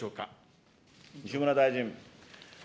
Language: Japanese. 西村大臣。